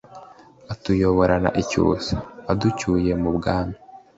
atuyoborana icyusa, aducyuye mu bwami